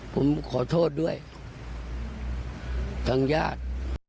ผมขอโทษด้วยทางญาติ